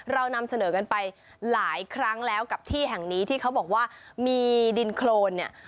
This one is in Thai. เรานำเสนอกันไปหลายครั้งแล้วกับที่แห่งนี้ที่เขาบอกว่ามีดินโครนเนี่ย